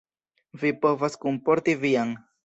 Vi povas kunporti vian.